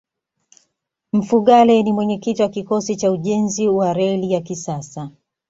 mfugale ni mwenyekiti wa kikosi cha ujenzi wa reli ya kisasa